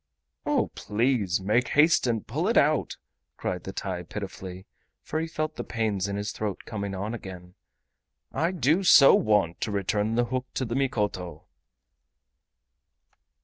"O please make haste and pull it out!" cried the TAI, pitifully, for he felt the pains in his throat coming on again; "I do so want to return the hook to the Mikoto."